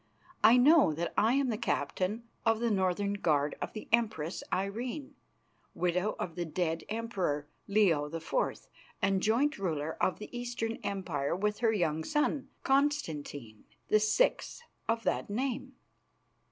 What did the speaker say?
I know that I am the captain of the Northern Guard of the Empress Irene, widow of the dead emperor, Leo the Fourth, and joint ruler of the Eastern Empire with her young son, Constantine, the sixth of that name.